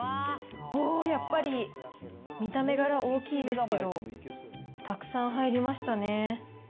おー、やっぱり見た目から大きいですけど、たくさん入りましたね。